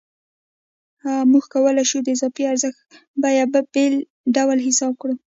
موږ کولای شو د اضافي ارزښت بیه بله ډول حساب کړو